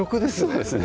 そうですね